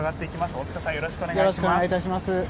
大塚さん、よろしくお願いします。